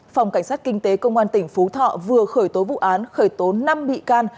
phòng cảnh sát kinh tế công an tỉnh phú thọ vừa khởi tố vụ án khởi tố năm bị can